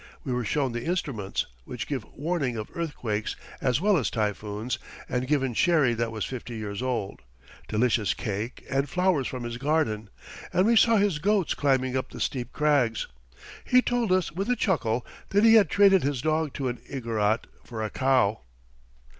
We were shown the instruments, which give warning of earthquakes as well as typhoons, and given sherry that was fifty years old, delicious cake, and flowers from his garden, and we saw his goats climbing up the steep crags. He told us with a chuckle that he had traded his dog to an Igorot for a cow.